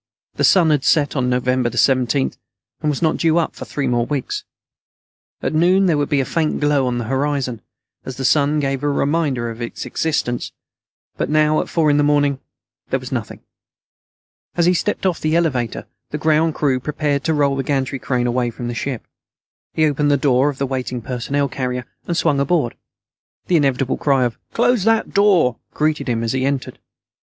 The sun had set on November 17th, and was not due up for three more weeks. At noon, there would be a faint glow on the southern horizon, as the sun gave a reminder of its existence, but now, at four in the morning, there was nothing. As he stepped off the elevator, the ground crew prepared to roll the gantry crane away from the ship. He opened the door of the waiting personnel carrier and swung aboard. The inevitable cry of "close that door" greeted him as he entered.